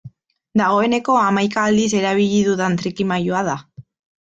Dagoeneko hamaika aldiz erabili dudan trikimailua da.